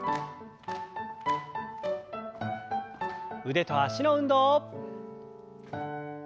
腕と脚の運動。